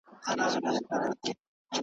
زموږ د معصومو دنګو پېغلو د حیا کلی دی.